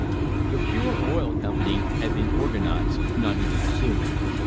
The Pure Oil Company had been organised none too soon.